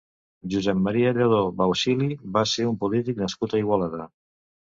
Josep Maria Lladó Bausili va ser un polític nascut a Igualada.